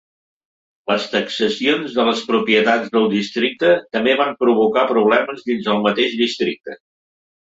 Les taxacions de les propietats del districte també van provocar problemes dins el mateix districte.